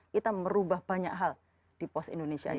kita merubah banyak hal di pos indonesia ini